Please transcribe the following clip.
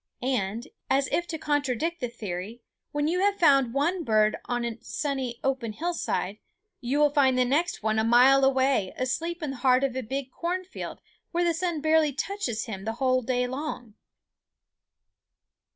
And, as if to contradict the theory, when you have found one bird on a sunny open hillside, you will find the next one a mile away asleep in the heart of a big corn field, where the sun barely touches him the whole day long.